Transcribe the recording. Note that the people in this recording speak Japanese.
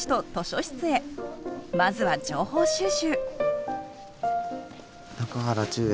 まずは情報収集。